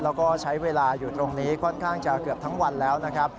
แล้วก็ใช้เวลาอยู่ตรงนี้ค่อนข้างจะเกือบทั้งวันแล้วนะครับ